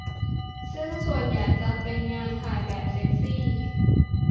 ซึ่งส่วนใหญ่จะเป็นงานถ่ายแบบเซ็กซี่